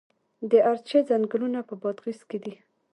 د ارچې ځنګلونه په بادغیس کې دي؟